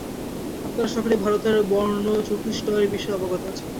আপনারা সকলেই ভারতের বর্ণচতুষ্টয়ের বিষয়ে অবগত আছেন।